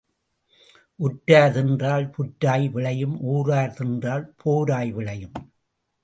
உற்றார் தின்றால் புற்றாய் விளையும் ஊரார் தின்றால் போராய் விளையும்.